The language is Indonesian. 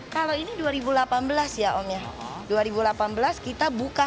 yang ini ya berapa berapa tahunnya